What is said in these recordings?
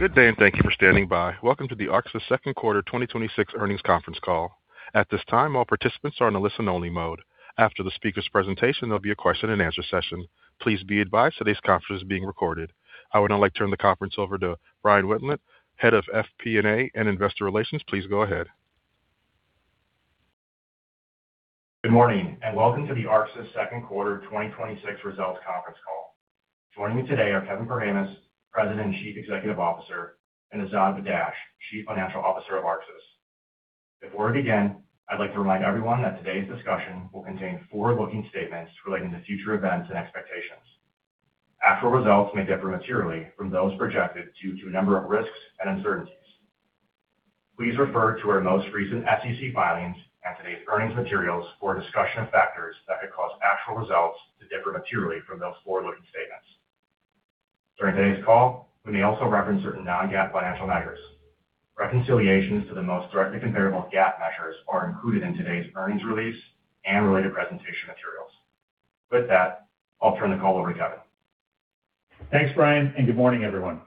Good day. Thank you for standing by. Welcome to the Arxis Second Quarter 2026 Earnings Conference Call. At this time, all participants are in a listen-only mode. After the speaker's presentation, there'll be a question-and-answer session. Please be advised today's conference is being recorded. I would now like to turn the conference over to Brian Winland, Head of FP&A and Investor Relations. Please go ahead. Good morning. Welcome to the Arxis Second Quarter 2026 Results Conference Call. Joining me today are Kevin Perhamus, President and Chief Executive Officer, and Azad Badakhsh, Chief Financial Officer of Arxis. Before we begin, I'd like to remind everyone that today's discussion will contain forward-looking statements relating to future events and expectations. Actual results may differ materially from those projected due to a number of risks and uncertainties. Please refer to our most recent SEC filings and today's earnings materials for a discussion of factors that could cause actual results to differ materially from those forward-looking statements. During today's call, we may also reference certain non-GAAP financial measures. Reconciliations to the most directly comparable GAAP measures are included in today's earnings release and related presentation materials. With that, I'll turn the call over to Kevin. Thanks, Brian. Good morning, everyone.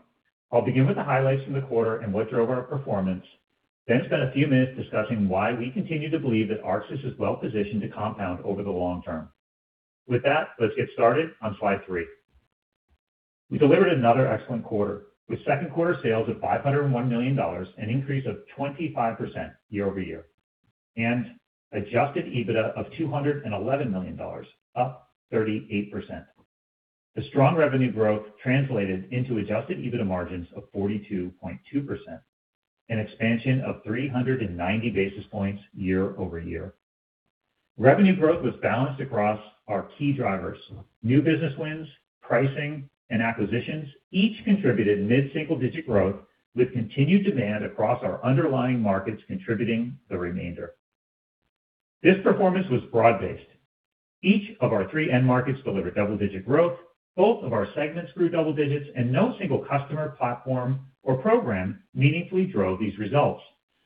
I'll begin with the highlights from the quarter and what drove our performance, then spend a few minutes discussing why we continue to believe that Arxis is well-positioned to compound over the long term. With that, let's get started on slide three. We delivered another excellent quarter, with second quarter sales of $501 million, an increase of 25% year-over-year, and adjusted EBITDA of $211 million, up 38%. The strong revenue growth translated into adjusted EBITDA margins of 42.2%, an expansion of 390 basis points year-over-year. Revenue growth was balanced across our key drivers. New business wins, pricing, and acquisitions each contributed mid-single-digit growth, with continued demand across our underlying markets contributing the remainder. This performance was broad-based. Each of our three end markets delivered double-digit growth. Both of our segments grew double digits. No single customer platform or program meaningfully drove these results.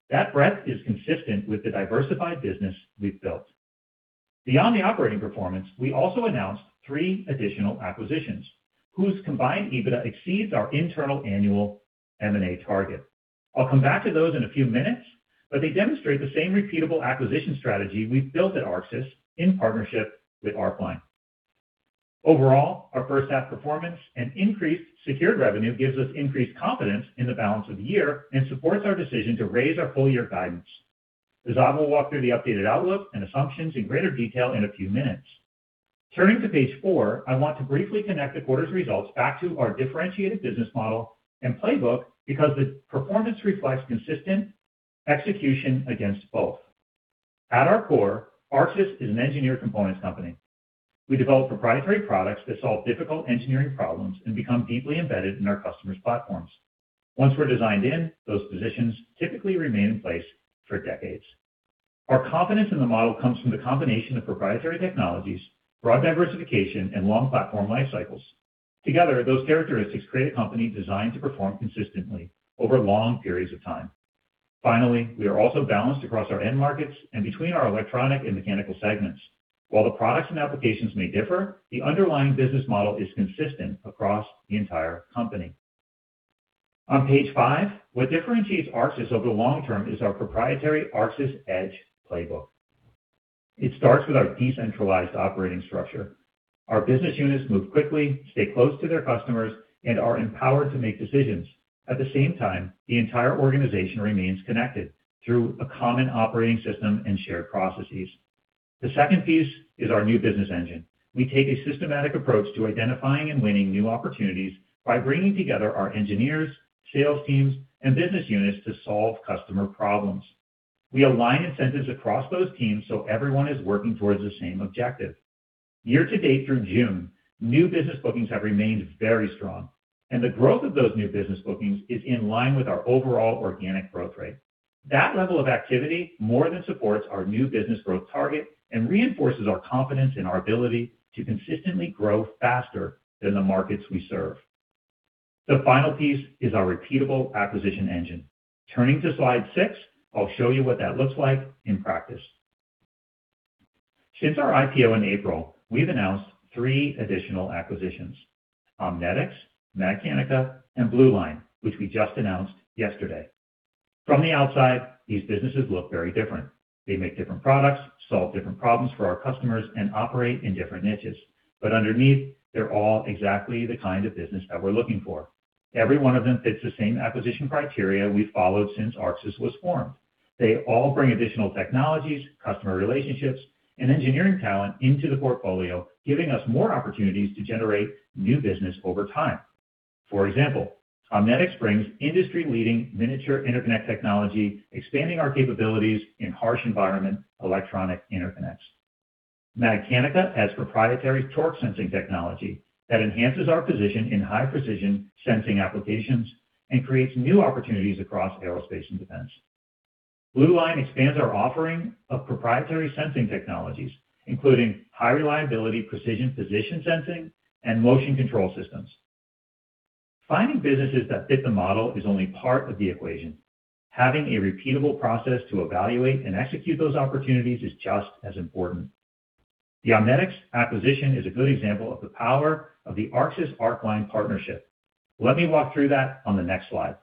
That breadth is consistent with the diversified business we've built. Beyond the operating performance, we also announced three additional acquisitions, whose combined EBITDA exceeds our internal annual M&A target. I'll come back to those in a few minutes. They demonstrate the same repeatable acquisition strategy we've built at Arxis in partnership with Arcline. Overall, our first half performance and increased secured revenue gives us increased confidence in the balance of the year and supports our decision to raise our full-year guidance. Azad will walk through the updated outlook and assumptions in greater detail in a few minutes. Turning to page four, I want to briefly connect the quarter's results back to our differentiated business model and playbook, because the performance reflects consistent execution against both. At our core, Arxis is an engineer components company. We develop proprietary products that solve difficult engineering problems and become deeply embedded in our customers' platforms. Once we're designed in, those positions typically remain in place for decades. Our confidence in the model comes from the combination of proprietary technologies, broad diversification, and long platform life cycles. Together, those characteristics create a company designed to perform consistently over long periods of time. Finally, we are also balanced across our end markets and between our electronic and mechanical segments. While the products and applications may differ, the underlying business model is consistent across the entire company. On page five, what differentiates Arxis over the long term is our proprietary Arxis EDGE playbook. It starts with our decentralized operating structure. Our business units move quickly, stay close to their customers, and are empowered to make decisions. At the same time, the entire organization remains connected through a common operating system and shared processes. The second piece is our new business engine. We take a systematic approach to identifying and winning new opportunities by bringing together our engineers, sales teams, and business units to solve customer problems. We align incentives across those teams so everyone is working towards the same objective. Year to date through June, new business bookings have remained very strong, and the growth of those new business bookings is in line with our overall organic growth rate. That level of activity more than supports our new business growth target and reinforces our confidence in our ability to consistently grow faster than the markets we serve. The final piece is our repeatable acquisition engine. Turning to slide six, I'll show you what that looks like in practice. Since our IPO in April, we've announced three additional acquisitions, Omnetics, MagCanica, and Blue Line, which we just announced yesterday. From the outside, these businesses look very different. They make different products, solve different problems for our customers, and operate in different niches. Underneath, they're all exactly the kind of business that we're looking for. Every one of them fits the same acquisition criteria we've followed since Arxis was formed. They all bring additional technologies, customer relationships, and engineering talent into the portfolio, giving us more opportunities to generate new business over time. For example, Omnetics brings industry-leading miniature interconnect technology, expanding our capabilities in harsh environment electronic interconnects. MagCanica has proprietary torque sensing technology that enhances our position in high-precision sensing applications and creates new opportunities across aerospace and defense. Blue Line expands our offering of proprietary sensing technologies, including high reliability precision position sensing, and motion control systems. Finding businesses that fit the model is only part of the equation. Having a repeatable process to evaluate and execute those opportunities is just as important. The Omnetics acquisition is a good example of the power of the Arxis Arcline partnership. Let me walk through that on the next slide.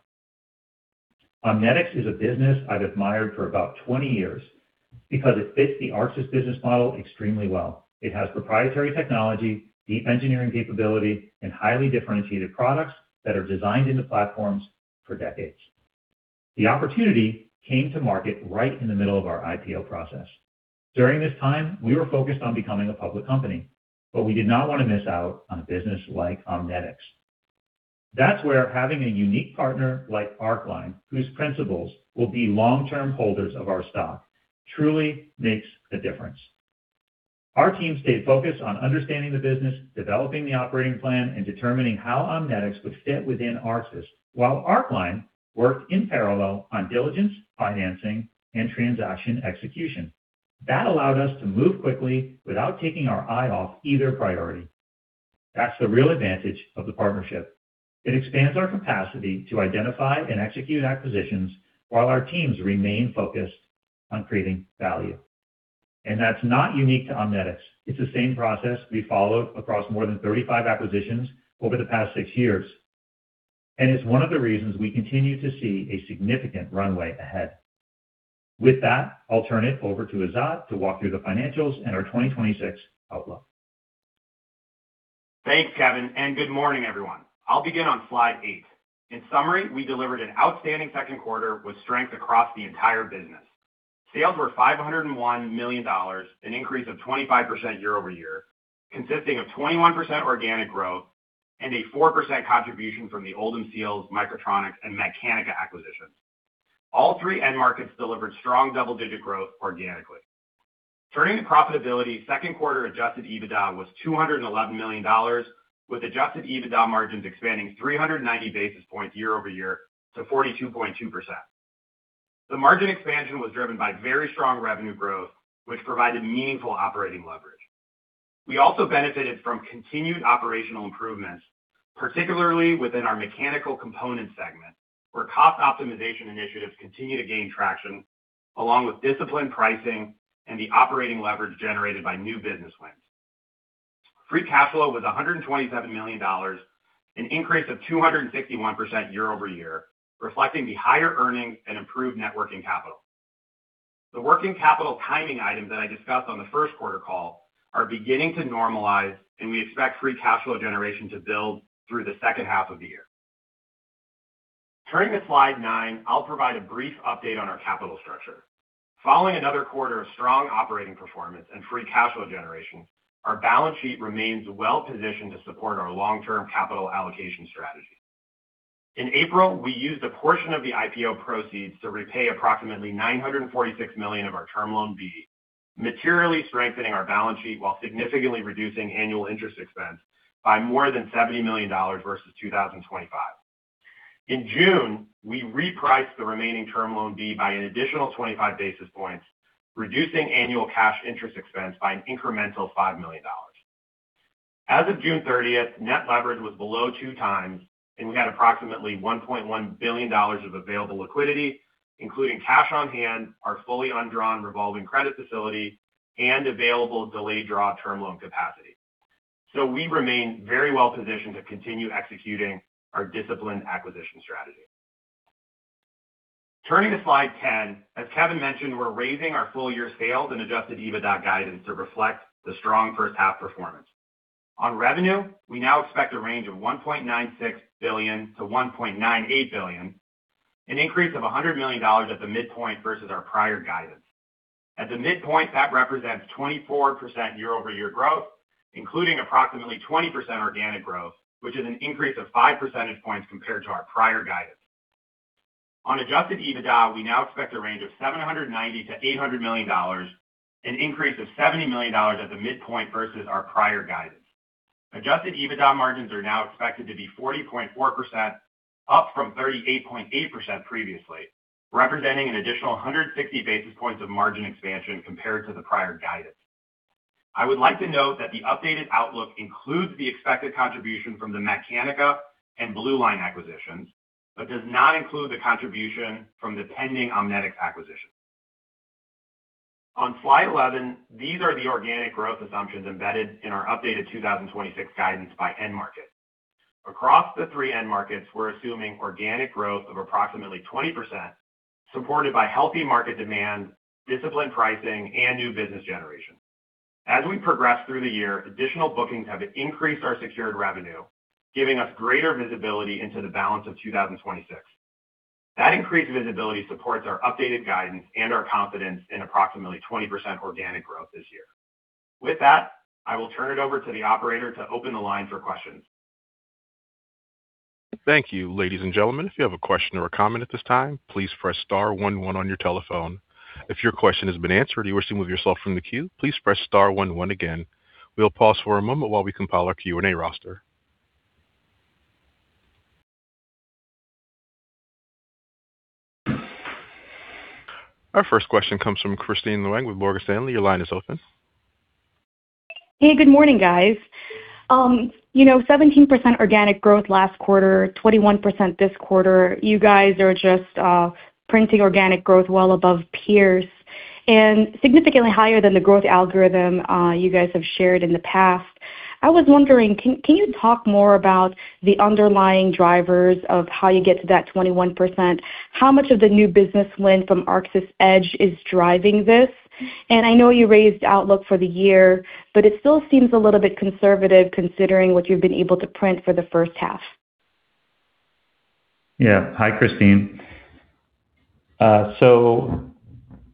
Omnetics is a business I've admired for about 20 years because it fits the Arxis business model extremely well. It has proprietary technology, deep engineering capability, and highly differentiated products that are designed into platforms for decades. The opportunity came to market right in the middle of our IPO process. During this time, we were focused on becoming a public company, but we did not want to miss out on a business like Omnetics. That's where having a unique partner like Arcline, whose principals will be long-term holders of our stock, truly makes a difference. Our team stayed focused on understanding the business, developing the operating plan, and determining how Omnetics would fit within Arxis while Arcline worked in parallel on diligence, financing, and transaction execution. That allowed us to move quickly without taking our eye off either priority. That's the real advantage of the partnership. It expands our capacity to identify and execute acquisitions while our teams remain focused on creating value. That's not unique to Omnetics. It's the same process we followed across more than 35 acquisitions over the past six years, and it's one of the reasons we continue to see a significant runway ahead. With that, I'll turn it over to Azad to walk through the financials and our 2026 outlook. Thanks, Kevin, and good morning, everyone. I'll begin on slide eight. In summary, we delivered an outstanding second quarter with strength across the entire business. Sales were $501 million, an increase of 25% year-over-year, consisting of 21% organic growth and a 4% contribution from the Oldham Seals, Micro-Tronics, and MagCanica acquisitions. All three end markets delivered strong double-digit growth organically. Turning to profitability, second quarter adjusted EBITDA was $211 million, with adjusted EBITDA margins expanding 390 basis points year-over-year to 42.2%. The margin expansion was driven by very strong revenue growth, which provided meaningful operating leverage. We also benefited from continued operational improvements, particularly within our Mechanical Segment, where cost optimization initiatives continue to gain traction, along with disciplined pricing and the operating leverage generated by new business wins. Free cash flow was $127 million, an increase of 261% year-over-year, reflecting the higher earnings and improved networking capital. The working capital timing items that I discussed on the first quarter call are beginning to normalize, we expect free cash flow generation to build through the second half of the year. Turning to slide nine, I'll provide a brief update on our capital structure. Following another quarter of strong operating performance and free cash flow generation, our balance sheet remains well-positioned to support our long-term capital allocation strategy. In April, we used a portion of the IPO proceeds to repay approximately $946 million of our Term Loan B, materially strengthening our balance sheet while significantly reducing annual interest expense by more than $70 million versus 2025. In June, we repriced the remaining Term Loan B by an additional 25 basis points, reducing annual cash interest expense by an incremental $5 million. As of June 30th, net leverage was below two times, we had approximately $1.1 billion of available liquidity, including cash on hand, our fully undrawn revolving credit facility, and available delayed draw Term Loan B capacity. We remain very well positioned to continue executing our disciplined acquisition strategy. Turning to slide 10, as Kevin mentioned, we're raising our full-year sales and adjusted EBITDA guidance to reflect the strong first half performance. On revenue, we now expect a range of $1.96 billion-$1.98 billion, an increase of $100 million at the midpoint versus our prior guidance. At the midpoint, that represents 24% year-over-year growth, including approximately 20% organic growth, which is an increase of five percentage points compared to our prior guidance. On adjusted EBITDA, we now expect a range of $790 million-$800 million, an increase of $70 million at the midpoint versus our prior guidance. Adjusted EBITDA margins are now expected to be 40.4%, up from 38.8% previously, representing an additional 160 basis points of margin expansion compared to the prior guidance. I would like to note that the updated outlook includes the expected contribution from the MagCanica and Blue Line acquisitions but does not include the contribution from the pending Omnetics acquisition. On slide 11, these are the organic growth assumptions embedded in our updated 2026 guidance by end market. Across the three end markets, we're assuming organic growth of approximately 20%, supported by healthy market demand, disciplined pricing, and new business generation. As we progress through the year, additional bookings have increased our secured revenue, giving us greater visibility into the balance of 2026. That increased visibility supports our updated guidance and our confidence in approximately 20% organic growth this year. With that, I will turn it over to the operator to open the line for questions. Thank you. Ladies and gentlemen, if you have a question or a comment at this time, please press star one one on your telephone. If your question has been answered or you wish to remove yourself from the queue, please press star one one again. We'll pause for a moment while we compile our Q&A roster. Our first question comes from Kristine Liwag with Morgan Stanley. Your line is open. Hey, good morning, guys. 17% organic growth last quarter, 21% this quarter. You guys are just printing organic growth well above peers, significantly higher than the growth algorithm you guys have shared in the past. I was wondering, can you talk more about the underlying drivers of how you get to that 21%? How much of the new business win from Arxis EDGE is driving this? I know you raised outlook for the year, but it still seems a little bit conservative considering what you've been able to print for the first half. Hi, Kristine.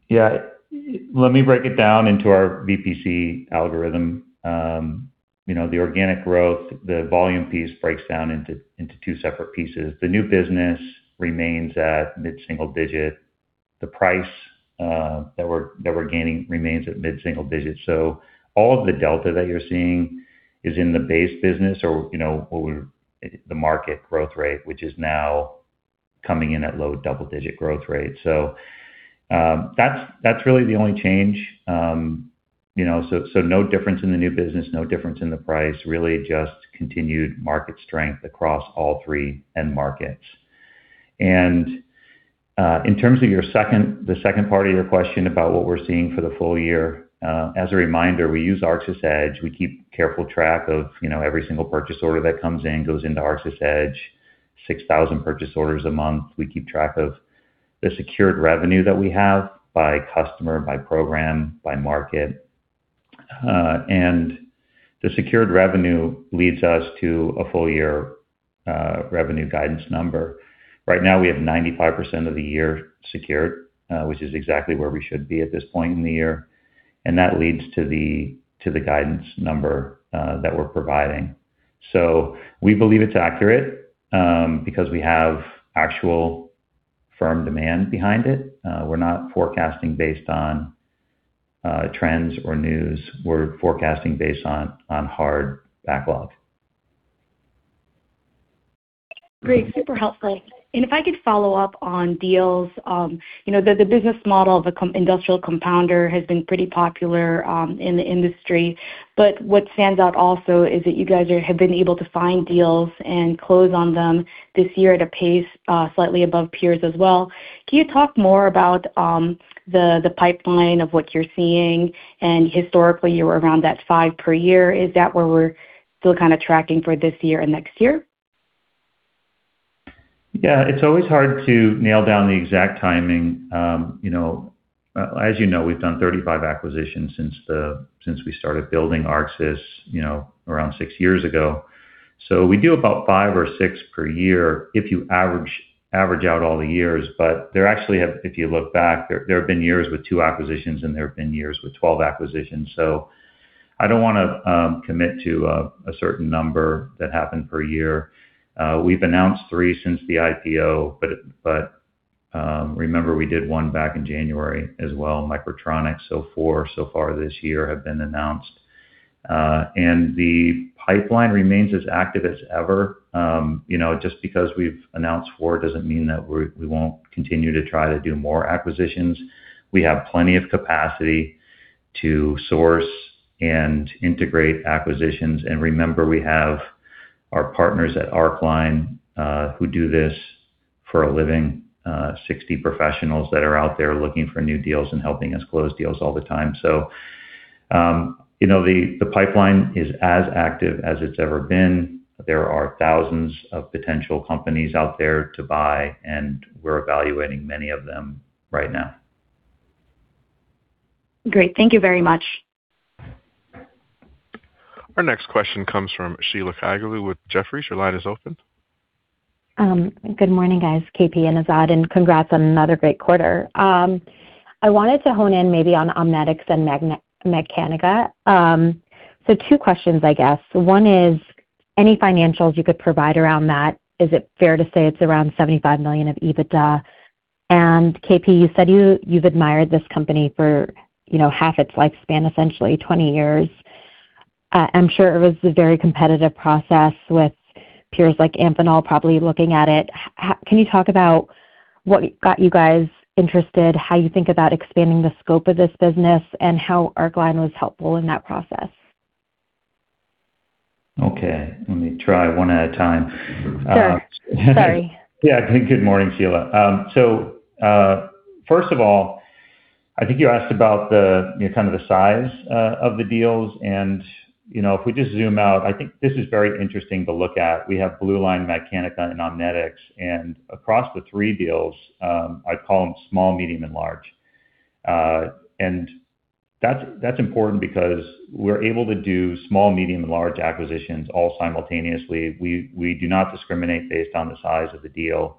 Let me break it down into our BPC algorithm. The organic growth, the volume piece breaks down into two separate pieces. The new business remains at mid-single digit. The price that we're gaining remains at mid-single digits. All of the delta that you're seeing is in the base business, or the market growth rate, which is now coming in at low double-digit growth rates. That's really the only change. No difference in the new business, no difference in the price, really just continued market strength across all three end markets. In terms of the second part of your question about what we're seeing for the full year, as a reminder, we use Arxis EDGE. We keep careful track of every single purchase order that comes in, goes into Arxis EDGE, 6,000 purchase orders a month. We keep track of the secured revenue that we have by customer, by program, by market. The secured revenue leads us to a full year revenue guidance number. Right now we have 95% of the year secured, which is exactly where we should be at this point in the year. That leads to the guidance number that we're providing. We believe it's accurate, because we have actual firm demand behind it. We're not forecasting based on trends or news. We're forecasting based on hard backlog. Great. Super helpful. If I could follow up on deals. The business model of industrial compounder has been pretty popular in the industry, but what stands out also is that you guys have been able to find deals and close on them this year at a pace slightly above peers as well. Can you talk more about the pipeline of what you're seeing? Historically, you were around that five per year. Is that where we're still kind of tracking for this year and next year? It's always hard to nail down the exact timing. As you know, we've done 35 acquisitions since we started building Arxis around six years ago. We do about five or six per year if you average out all the years. There actually have, if you look back, there have been years with two acquisitions and there have been years with 12 acquisitions. I don't want to commit to a certain number that happened per year. We've announced three since the IPO, but remember we did one back in January as well, Micro-Tronics. Four so far this year have been announced. The pipeline remains as active as ever. Just because we've announced four doesn't mean that we won't continue to try to do more acquisitions. We have plenty of capacity to source and integrate acquisitions. remember, we have our partners at Arcline, who do this for a living, 60 professionals that are out there looking for new deals and helping us close deals all the time. The pipeline is as active as it's ever been. There are thousands of potential companies out there to buy, and we're evaluating many of them right now. Great. Thank you very much. Our next question comes from Sheila Kahyaoglu with Jefferies. Your line is open. Good morning, guys, KP and Azad, congrats on another great quarter. I wanted to hone in maybe on Omnetics and MagCanica. Two questions, I guess. One is any financials you could provide around that, is it fair to say it's around $75 million of EBITDA? KP, you said you've admired this company for half its lifespan, essentially 20 years. I'm sure it was a very competitive process with peers like Amphenol probably looking at it. Can you talk about what got you guys interested, how you think about expanding the scope of this business, and how Arcline was helpful in that process? Okay, let me try one at a time. Sure. Sorry. Good morning, Sheila. First of all, I think you asked about the size of the deals, if we just zoom out, I think this is very interesting to look at. We have BlueLine, MagCanica, and Omnetics, and across the three deals, I'd call them small, medium, and large. That's important because we're able to do small, medium, and large acquisitions all simultaneously. We do not discriminate based on the size of the deal.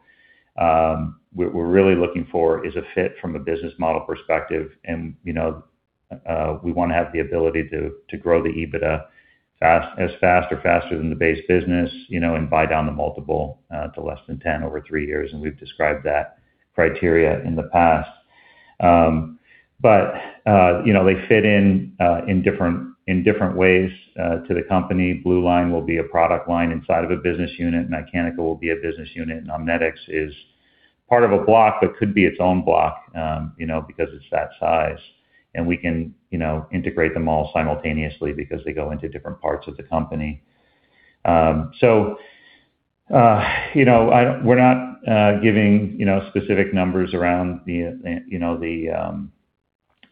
What we're really looking for is a fit from a business model perspective. We want to have the ability to grow the EBITDA as fast or faster than the base business, and buy down the multiple to less than 10 over three years. We've described that criteria in the past. They fit in in different ways to the company. BlueLine will be a product line inside of a business unit. MagCanica will be a business unit. Omnetics is part of a block, could be its own block because it's that size. We can integrate them all simultaneously because they go into different parts of the company. We're not giving specific numbers around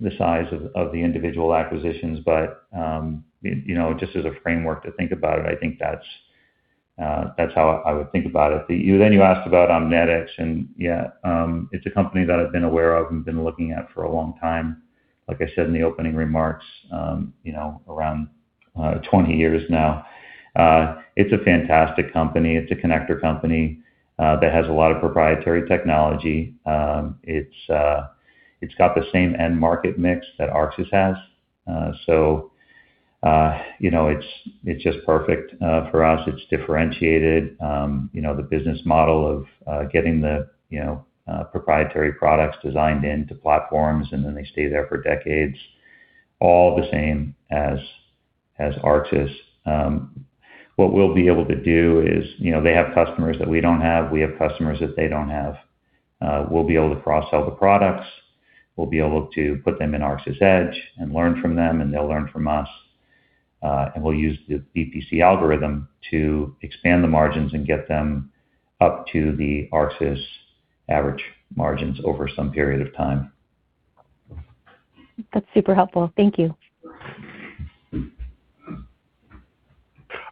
the size of the individual acquisitions, but just as a framework to think about it, I think that's how I would think about it. Then you asked about Omnetics, it's a company that I've been aware of and been looking at for a long time, like I said in the opening remarks, around 20 years now. It's a fantastic company. It's a connector company that has a lot of proprietary technology. It's got the same end market mix that Arxis has. It's just perfect for us. It's differentiated the business model of getting the proprietary products designed into platforms, and then they stay there for decades, all the same as Arxis. What we'll be able to do is, they have customers that we don't have. We have customers that they don't have. We'll be able to cross-sell the products. We'll be able to put them in Arxis EDGE and learn from them, and they'll learn from us. We'll use the BPC algorithm to expand the margins and get them up to the Arxis average margins over some period of time. That's super helpful. Thank you.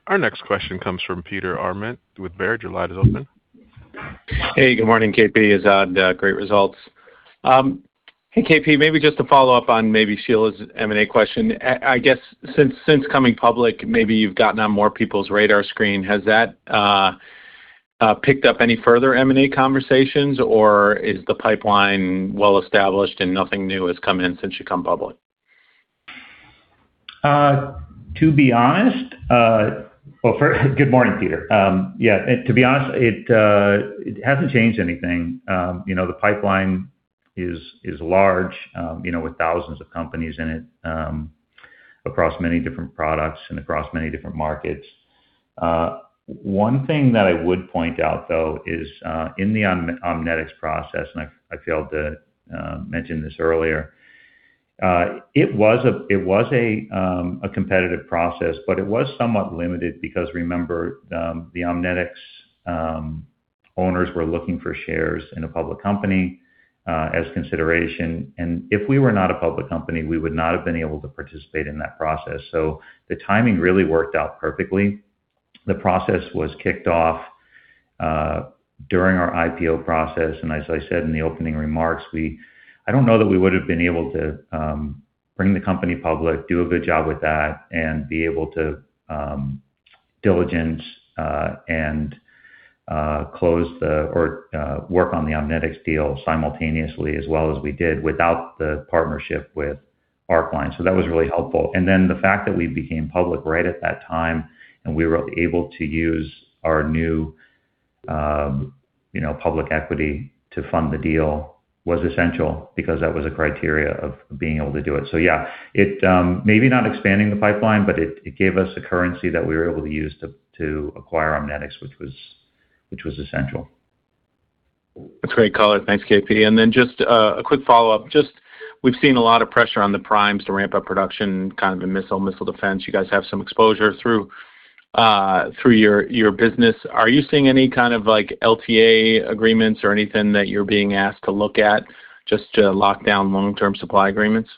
Our next question comes from Peter Arment with Baird. Your line is open. Hey, good morning, KP, Azad. Great results. Hey, KP, maybe just to follow up on maybe Sheila's M&A question. I guess since coming public, maybe you've gotten on more people's radar screen. Has that picked up any further M&A conversations, or is the pipeline well-established and nothing new has come in since you've come public? Well, first, good morning, Peter. To be honest, it hasn't changed anything. The pipeline is large with thousands of companies in it, across many different products and across many different markets. One thing that I would point out, though, is in the Omnetics process, I failed to mention this earlier, it was a competitive process, but it was somewhat limited because remember, the Omnetics owners were looking for shares in a public company as consideration. If we were not a public company, we would not have been able to participate in that process. The timing really worked out perfectly. The process was kicked off during our IPO process, and as I said in the opening remarks, I don't know that we would've been able to bring the company public, do a good job with that, and be able to diligence, and close the-- or work on the Omnetics deal simultaneously as well as we did without the partnership with Arcline. So that was really helpful. And then the fact that we became public right at that time and we were able to use our new public equity to fund the deal was essential, because that was a criteria of being able to do it. So yeah, it maybe not expanding the pipeline, but it gave us a currency that we were able to use to acquire Omnetics, which was essential. That's great color. Thanks, KP. And then just a quick follow-up, just we've seen a lot of pressure on the primes to ramp up production, kind of in missile defense. You guys have some exposure through your business. Are you seeing any kind of LTA agreements or anything that you're being asked to look at just to lock down long-term supply agreements?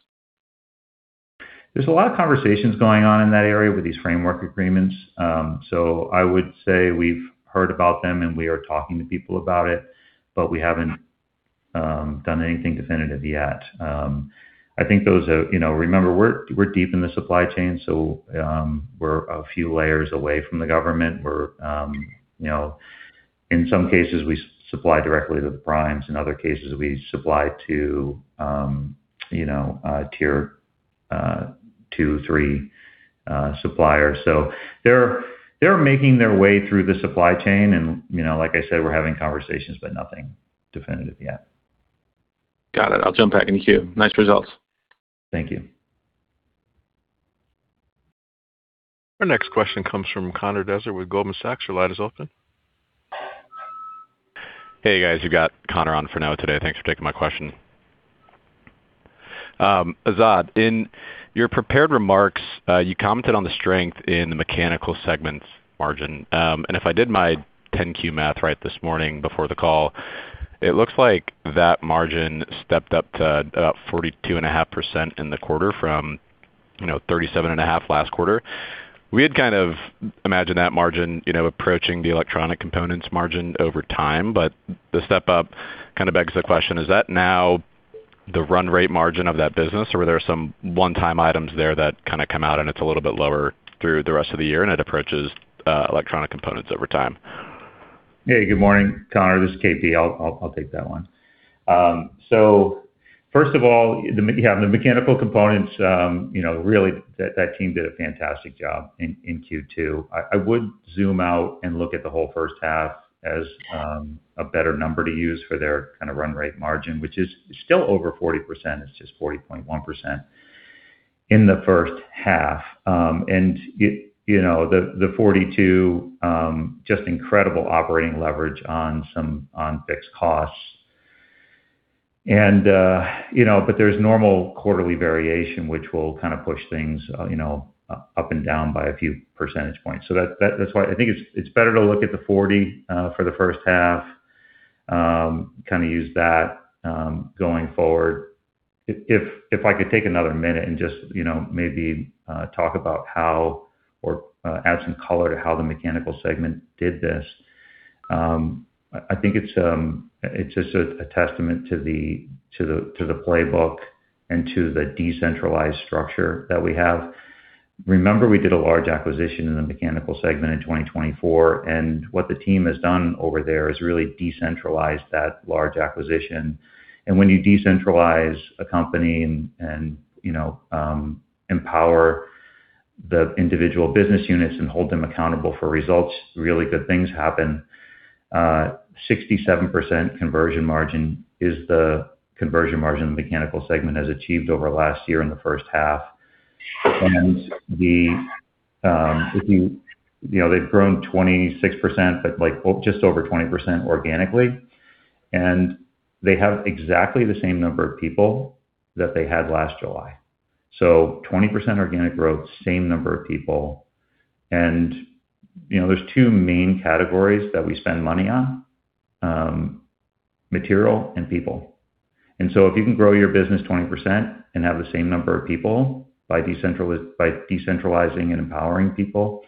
There's a lot of conversations going on in that area with these framework agreements. I would say we've heard about them, we are talking to people about it, but we haven't done anything definitive yet. Remember, we're deep in the supply chain, so we're a few layers away from the government. In some cases, we supply directly to the primes. In other cases, we supply to Tier 2, 3 suppliers. They're making their way through the supply chain, like I said, we're having conversations, but nothing definitive yet. Got it. I'll jump back in the queue. Nice results. Thank you. Our next question comes from Connor Dessert with Goldman Sachs. Your line is open. Hey, guys. You've got Connor on for now today. Thanks for taking my question. Azad, in your prepared remarks, you commented on the strength in the Mechanical Segment margin. If I did my 10-Q math right this morning before the call, it looks like that margin stepped up to about 42.5% in the quarter from 37.5% last quarter. We had kind of imagined that margin approaching the Electronics Component Segment margin over time, the step-up kind of begs the question, is that now the run rate margin of that business, or were there some one-time items there that kind of come out and it's a little bit lower through the rest of the year, and it approaches Electronics Component Segment over time? Hey, good morning, Connor. This is KP. I'll take that one. First of all, the mechanical components, really, that team did a fantastic job in Q2. I would zoom out and look at the whole first half as a better number to use for their kind of run rate margin, which is still over 40%. It's just 40.1%. In the first half. The 42% just incredible operating leverage on fixed costs. There's normal quarterly variation, which will kind of push things up and down by a few percentage points. That's why I think it's better to look at the 40% for the first half, kind of use that going forward. If I could take another minute and just maybe talk about how, or add some color to how the mechanical segment did this. I think it's just a testament to the playbook and to the decentralized structure that we have. Remember we did a large acquisition in the mechanical segment in 2024. What the team has done over there is really decentralize that large acquisition. When you decentralize a company and empower the individual business units and hold them accountable for results, really good things happen. 67% conversion margin is the conversion margin the mechanical segment has achieved over last year in the first half. They've grown 26%, but just over 20% organically, and they have exactly the same number of people that they had last July. 20% organic growth, same number of people. There's two main categories that we spend money on, material and people. If you can grow your business 20% and have the same number of people by decentralizing and empowering people,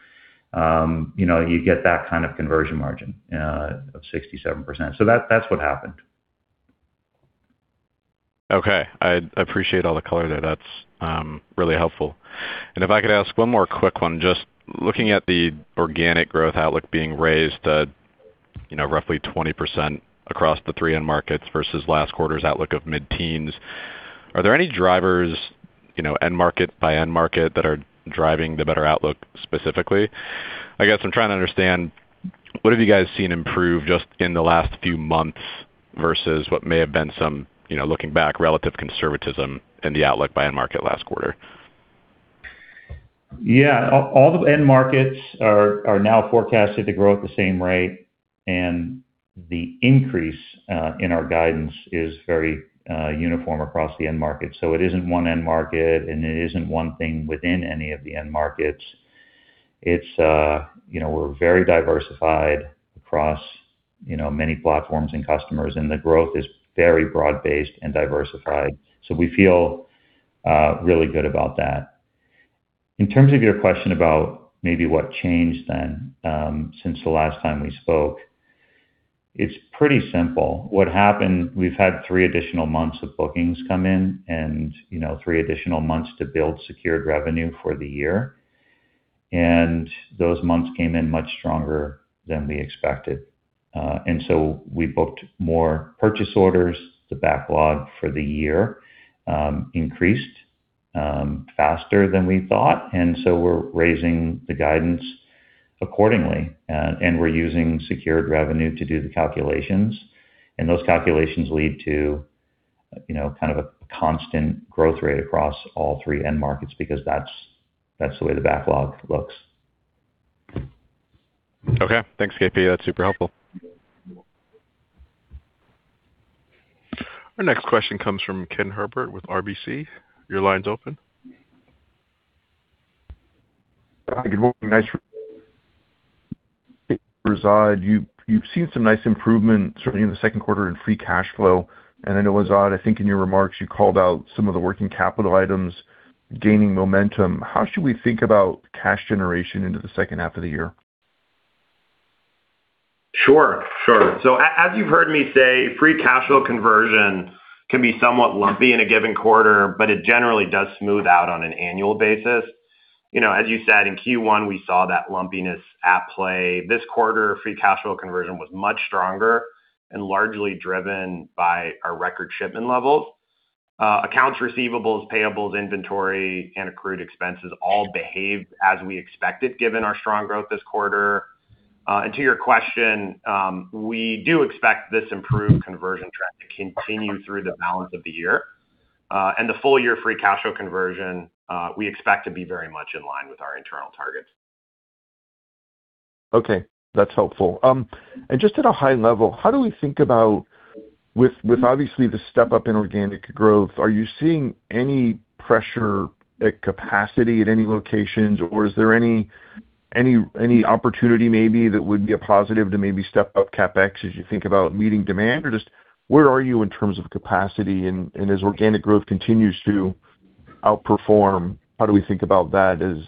you get that kind of conversion margin of 67%. That's what happened. Okay. I appreciate all the color there. That's really helpful. If I could ask one more quick one, just looking at the organic growth outlook being raised to roughly 20% across the three end markets versus last quarter's outlook of mid-teens. Are there any drivers, end market by end market, that are driving the better outlook specifically? I guess I'm trying to understand what have you guys seen improve just in the last few months versus what may have been some, looking back, relative conservatism in the outlook by end market last quarter? Yeah. All the end markets are now forecasted to grow at the same rate. The increase in our guidance is very uniform across the end markets. It isn't one end market, and it isn't one thing within any of the end markets. We're very diversified across many platforms and customers. The growth is very broad-based and diversified. We feel really good about that. In terms of your question about maybe what changed then since the last time we spoke, it's pretty simple. What happened. We've had three additional months of bookings come in and three additional months to build secured revenue for the year. Those months came in much stronger than we expected. We booked more purchase orders. The backlog for the year increased faster than we thought, and we're raising the guidance accordingly. We're using secured revenue to do the calculations. Those calculations lead to kind of a constant growth rate across all three end markets because that's the way the backlog looks. Okay. Thanks, KP. That's super helpful. Our next question comes from Ken Herbert with RBC. Your line's open. Hi, good morning. You've seen some nice improvement, certainly in the second quarter in free cash flow. I know, Azad, I think in your remarks you called out some of the working capital items gaining momentum. How should we think about cash generation into the second half of the year? Sure. As you've heard me say, free cash flow conversion can be somewhat lumpy in a given quarter, but it generally does smooth out on an annual basis. As you said, in Q1, we saw that lumpiness at play. This quarter, free cash flow conversion was much stronger and largely driven by our record shipment levels. Accounts receivables, payables, inventory, and accrued expenses all behaved as we expected, given our strong growth this quarter. To your question, we do expect this improved conversion trend to continue through the balance of the year. The full year free cash flow conversion, we expect to be very much in line with our internal targets. Okay, that's helpful. Just at a high level, how do we think about with obviously the step up in organic growth, are you seeing any pressure at capacity at any locations or is there any opportunity maybe that would be a positive to maybe step up CapEx as you think about meeting demand? Just where are you in terms of capacity and as organic growth continues to outperform, how do we think about that as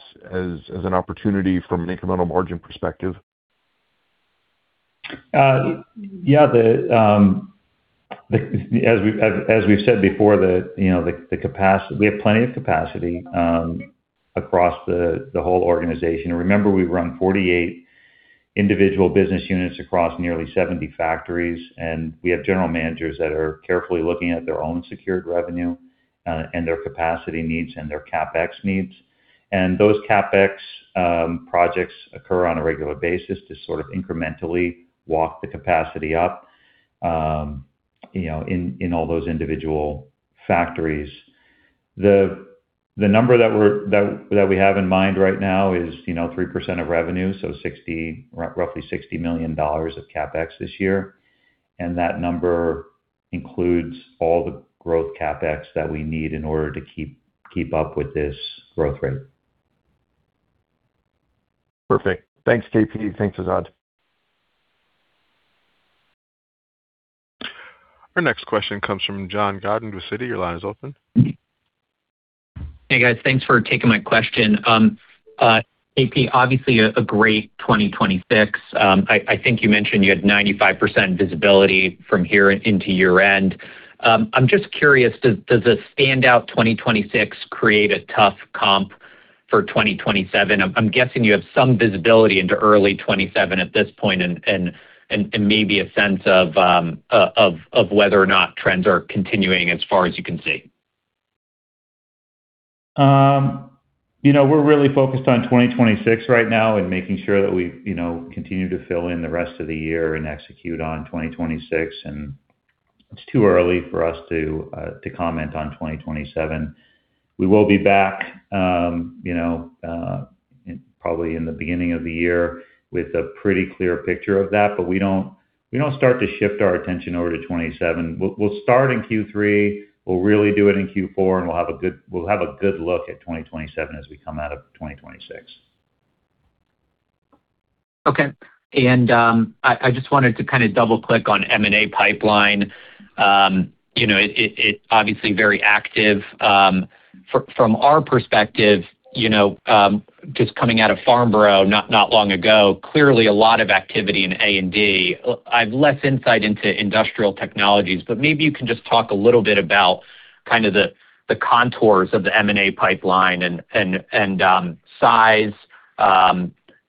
an opportunity from an incremental margin perspective? Yeah. As we've said before, we have plenty of capacity across the whole organization. Remember, we run 48 individual business units across nearly 70 factories, and we have general managers that are carefully looking at their own secured revenue, and their capacity needs, and their CapEx needs. Those CapEx projects occur on a regular basis to sort of incrementally walk the capacity up. In all those individual factories. The number that we have in mind right now is 3% of revenue, so roughly $60 million of CapEx this year. That number includes all the growth CapEx that we need in order to keep up with this growth rate. Perfect. Thanks, KP. Thanks, Azad. Our next question comes from John Godyn with Citi. Your line is open. Hey, guys. Thanks for taking my question. KP, obviously a great 2026. I think you mentioned you had 95% visibility from here into year-end. I'm just curious, does a standout 2026 create a tough comp for 2027? I'm guessing you have some visibility into early 2027 at this point, and maybe a sense of whether or not trends are continuing as far as you can see. We're really focused on 2026 right now and making sure that we continue to fill in the rest of the year and execute on 2026. It's too early for us to comment on 2027. We will be back probably in the beginning of the year with a pretty clear picture of that. We don't start to shift our attention over to 2027. We'll start in Q3, we'll really do it in Q4, and we'll have a good look at 2027 as we come out of 2026. Okay. I just wanted to kind of double-click on M&A pipeline. It's obviously very active. From our perspective, just coming out of Farnborough not long ago, clearly a lot of activity in A&D. I have less insight into industrial technologies. Maybe you can just talk a little bit about kind of the contours of the M&A pipeline and size,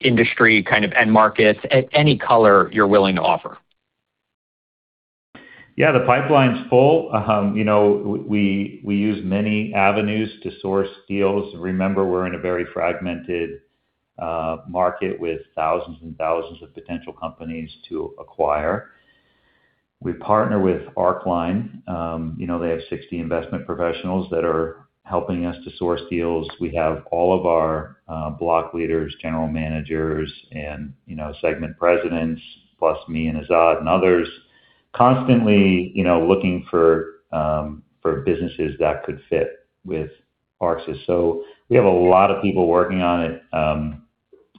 industry, kind of end markets, any color you're willing to offer. Yeah, the pipeline's full. We use many avenues to source deals. Remember, we're in a very fragmented market with thousands and thousands of potential companies to acquire. We partner with Arcline. They have 60 investment professionals that are helping us to source deals. We have all of our block leaders, general managers, and segment presidents, plus me and Azad and others constantly looking for businesses that could fit with Arxis. We have a lot of people working on it.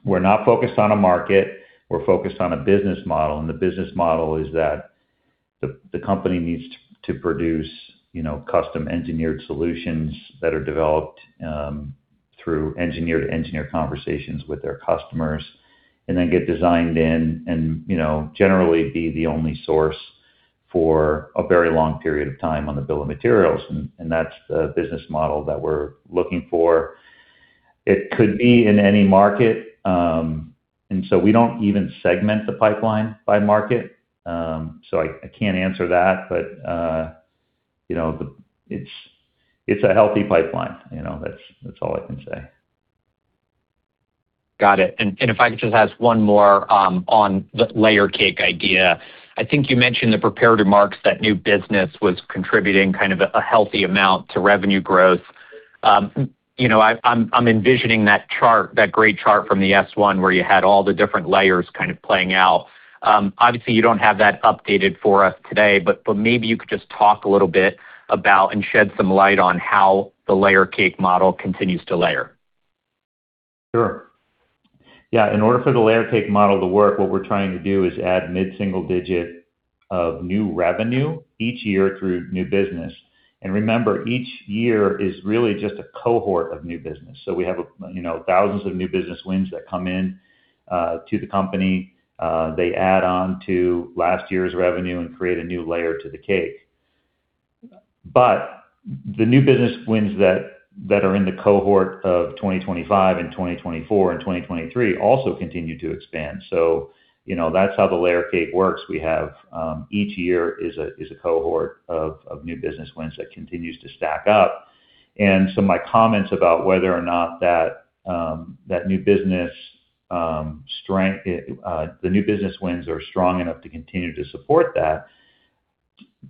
We're not focused on a market, we're focused on a business model. The business model is that the company needs to produce custom-engineered solutions that are developed through engineer-to-engineer conversations with their customers, and then get designed in, and generally be the only source for a very long period of time on the bill of materials. That's the business model that we're looking for. It could be in any market. We don't even segment the pipeline by market, so I can't answer that. It's a healthy pipeline. That's all I can say. Got it. If I could just ask one more on the layer cake idea. I think you mentioned in the prepared remarks that new business was contributing kind of a healthy amount to revenue growth. I'm envisioning that great chart from the S-1 where you had all the different layers kind of playing out. Obviously, you don't have that updated for us today. Maybe you could just talk a little bit about, shed some light on how the layer cake model continues to layer. Sure. In order for the layer cake model to work, what we're trying to do is add mid-single digit of new revenue each year through new business. Each year is really just a cohort of new business. We have thousands of new business wins that come in to the company. They add on to last year's revenue and create a new layer to the cake. The new business wins that are in the cohort of 2025 and 2024 and 2023 also continue to expand. That's how the layer cake works. We have each year is a cohort of new business wins that continues to stack up. My comments about whether or not the new business wins are strong enough to continue to support that,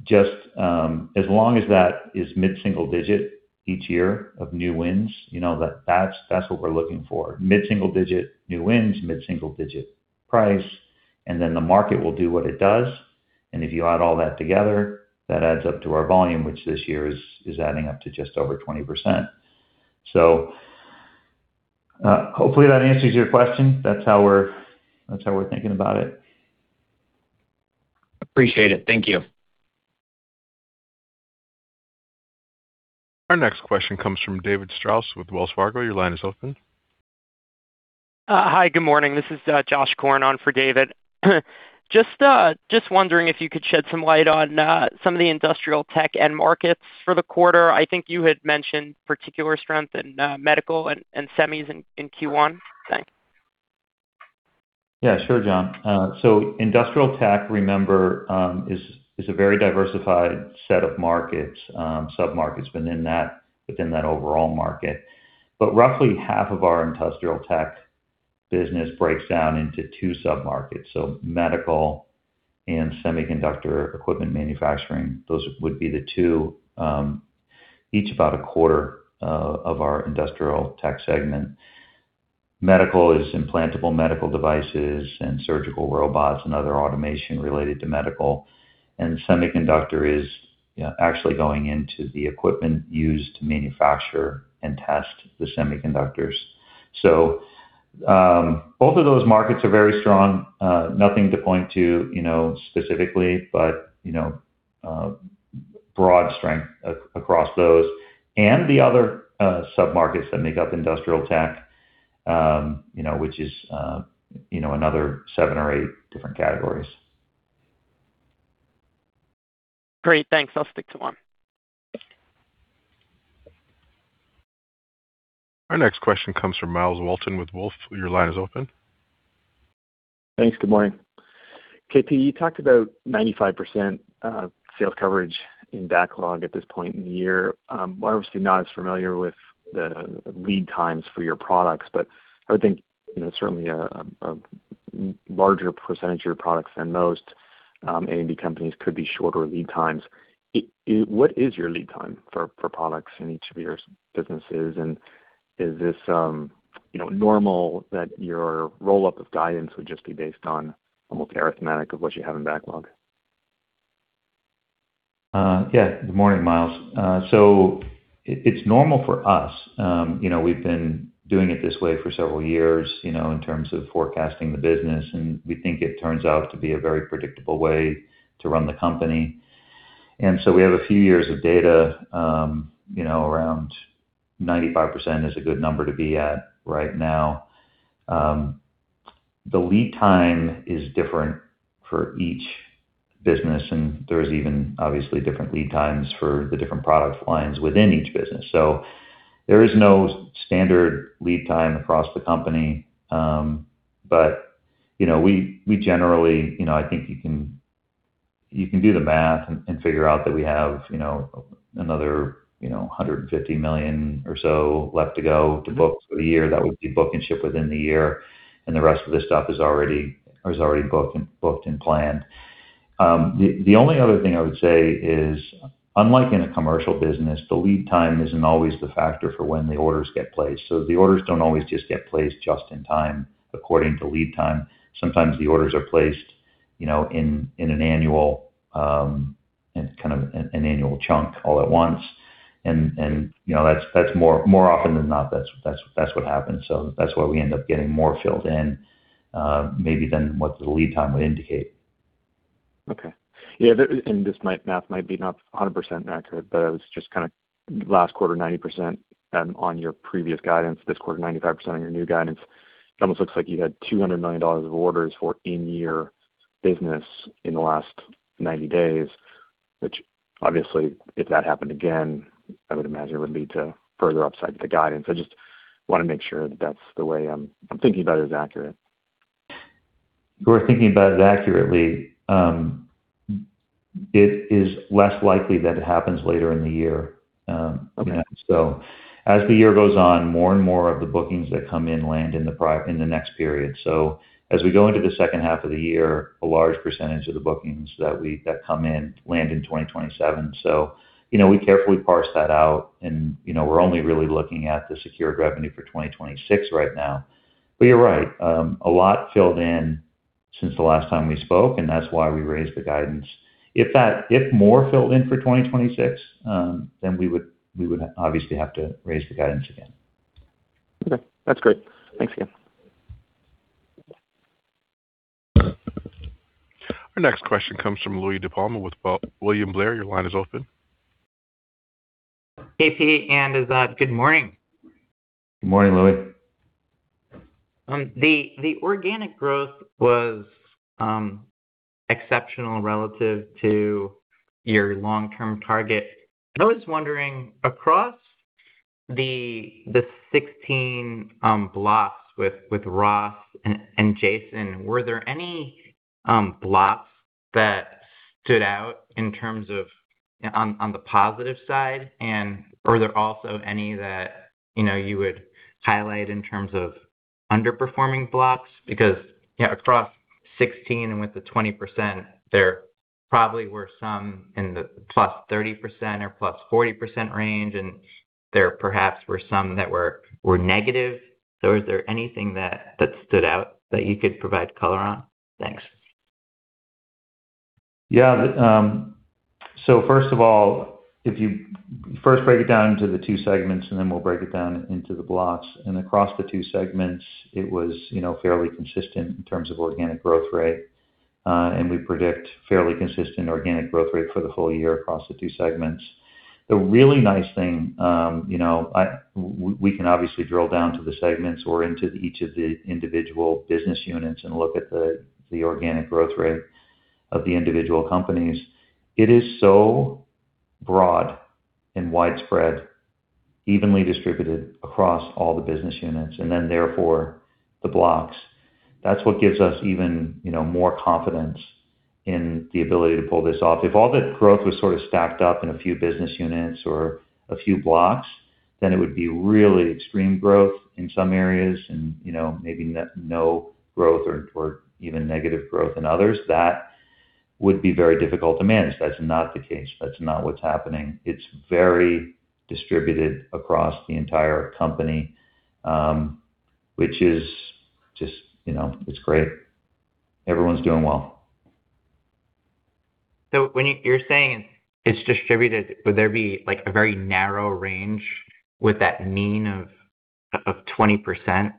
just as long as that is mid-single digit each year of new wins, that's what we're looking for. Mid-single digit new wins, mid-single digit price. The market will do what it does. If you add all that together, that adds up to our volume, which this year is adding up to just over 20%. Hopefully that answers your question. That's how we're thinking about it. Appreciate it. Thank you. Our next question comes from David Strauss with Wells Fargo. Your line is open. Hi. Good morning. This is Josh Korn on for David. Just wondering if you could shed some light on some of the industrial tech end markets for the quarter. I think you had mentioned particular strength in medical and semis in Q1. Thanks. Yeah, sure, Josh. Industrial tech, remember, is a very diversified set of markets, sub-markets within that overall market. Roughly half of our industrial tech business breaks down into two sub-markets, medical and semiconductor equipment manufacturing. Those would be the two, each about a quarter of our industrial tech segment. Medical is implantable medical devices and surgical robots and other automation related to medical. Semiconductor is actually going into the equipment used to manufacture and test the semiconductors. Both of those markets are very strong. Nothing to point to specifically, but broad strength across those and the other sub-markets that make up industrial tech, which is another seven or eight different categories. Great. Thanks. I'll stick to one. Our next question comes from Myles Walton with Wolfe. Your line is open. Thanks. Good morning. KP, you talked about 95% sales coverage in backlog at this point in the year. I'm obviously not as familiar with the lead times for your products, but I would think certainly a larger percentage of your products than most A&D companies could be shorter lead times. What is your lead time for products in each of your businesses? Is this normal that your roll-up of guidance would just be based on almost arithmetic of what you have in backlog? Yeah. Good morning, Myles. It's normal for us. We've been doing it this way for several years in terms of forecasting the business, we think it turns out to be a very predictable way to run the company. We have a few years of data, around 95% is a good number to be at right now. The lead time is different for each business, there's even obviously different lead times for the different product lines within each business. There is no standard lead time across the company. We generally, I think you can do the math and figure out that we have another $150 million or so left to go to book for the year. That would be book and ship within the year, the rest of the stuff is already booked and planned. The only other thing I would say is, unlike in a commercial business, the lead time isn't always the factor for when the orders get placed. The orders don't always just get placed just in time according to lead time. Sometimes the orders are placed in an annual kind of an annual chunk all at once, more often than not, that's what happens. That's why we end up getting more filled in maybe than what the lead time would indicate. Okay. Yeah, this math might be not 100% accurate, I was just kind of last quarter 90% on your previous guidance, this quarter 95% on your new guidance. It almost looks like you had $200 million of orders for in-year business in the last 90 days, which obviously if that happened again, I would imagine would lead to further upside to guidance. I just want to make sure that the way I'm thinking about it is accurate. You're thinking about it accurately. It is less likely that it happens later in the year. As the year goes on, more and more of the bookings that come in land in the next period. As we go into the second half of the year, a large percentage of the bookings that come in land in 2027. We carefully parse that out and we're only really looking at the secured revenue for 2026 right now. You're right, a lot filled in since the last time we spoke, and that's why we raised the guidance. If more filled in for 2026, we would obviously have to raise the guidance again. Okay. That's great. Thanks, KP. Our next question comes from Louie DiPalma with William Blair. Your line is open. KP and Azad, good morning. Good morning, Louie. The organic growth was exceptional relative to your long-term target. I was wondering, across the 16 blocks with Ross and Jason, were there any blocks that stood out in terms of on the positive side? Were there also any that you would highlight in terms of underperforming blocks? Because across 16 and with the 20%, there probably were some in the +30% or +40% range, and there perhaps were some that were negative. Is there anything that stood out that you could provide color on? Thanks. Yeah. First of all, if you first break it down into the two segments, we'll break it down into the blocks. Across the two segments, it was fairly consistent in terms of organic growth rate. We predict fairly consistent organic growth rate for the full year across the two segments. The really nice thing, we can obviously drill down to the segments or into each of the individual business units and look at the organic growth rate of the individual companies. It is so broad and widespread, evenly distributed across all the business units, therefore the blocks. That's what gives us even more confidence in the ability to pull this off. If all that growth was sort of stacked up in a few business units or a few blocks, then it would be really extreme growth in some areas and maybe no growth or even negative growth in others. That would be very difficult to manage. That's not the case. That's not what's happening. It's very distributed across the entire company, which is just great. Everyone's doing well. When you're saying it's distributed, would there be a very narrow range with that mean of 20%?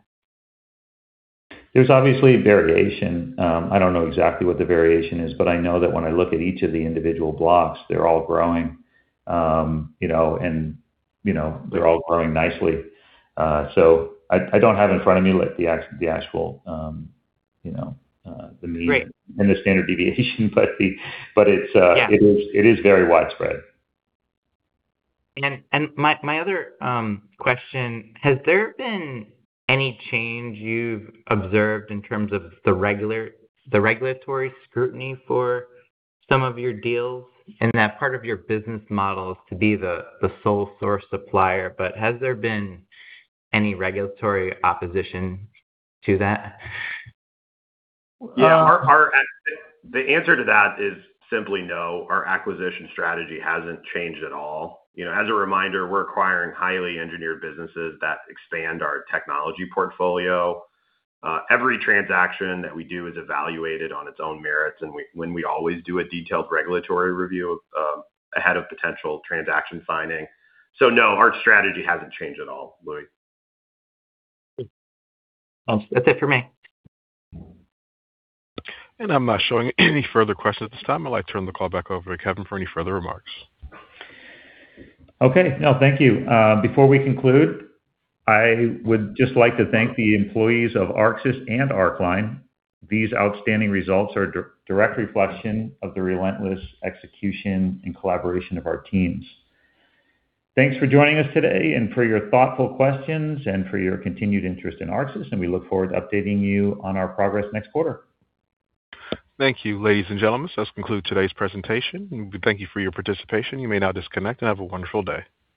There's obviously variation. I don't know exactly what the variation is, but I know that when I look at each of the individual blocks, they're all growing. They're all growing nicely. I don't have in front of me. Great I don't have in front of me the mean and the standard deviation, but it is very widespread. My other question, has there been any change you've observed in terms of the regulatory scrutiny for some of your deals, and that part of your business model is to be the sole source supplier, but has there been any regulatory opposition to that? Yeah. The answer to that is simply no. Our acquisition strategy hasn't changed at all. As a reminder, we're acquiring highly engineered businesses that expand our technology portfolio. Every transaction that we do is evaluated on its own merits, we always do a detailed regulatory review ahead of potential transaction filing. No, our strategy hasn't changed at all, Louie. That's it for me. I'm not showing any further questions at this time. I'd like to turn the call back over to Kevin for any further remarks. Okay. No, thank you. Before we conclude, I would just like to thank the employees of Arxis and Arcline. These outstanding results are a direct reflection of the relentless execution and collaboration of our teams. Thanks for joining us today and for your thoughtful questions and for your continued interest in Arxis, and we look forward to updating you on our progress next quarter. Thank you. Ladies and gentlemen, this concludes today's presentation. We thank you for your participation. You may now disconnect and have a wonderful day.